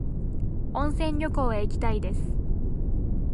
温泉旅行へ行きたいです。